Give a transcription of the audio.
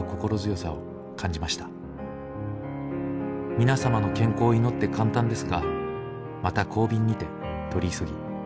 「皆様の健康を祈って簡単ですがまた後便にて取り急ぎ。